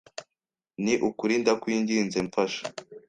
Ni ukuri ndakwinginze mfasha